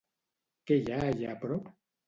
Què hi ha allà prop?